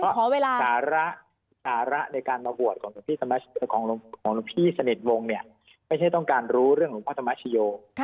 เฉราะไปโหวทของหลวงพี่ไม่ใช่ต้องการรู้เรื่องพ่อธรรมชิโย